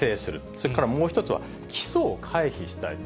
それからもう一つは、起訴を回避したい。